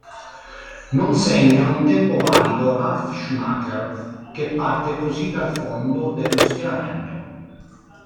Non segna un tempo valido Ralf Schumacher, che parte così dal fondo dello schieramento.